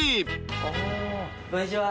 こんにちは。